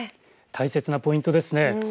大切なポイントですね。